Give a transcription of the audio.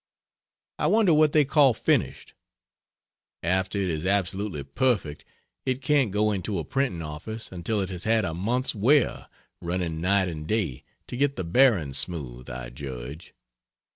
I wonder what they call "finished." After it is absolutely perfect it can't go into a printing office until it has had a month's wear, running night and day, to get the bearings smooth, I judge.